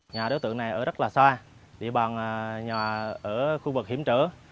nhà đối tượng này ở rất là xa địa bàn nhà ở khu vực hiểm trở